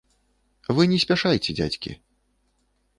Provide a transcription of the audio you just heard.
Вы не спяшайце, дзядзькі.